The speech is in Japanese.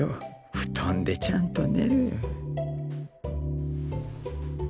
布団でちゃんと寝る。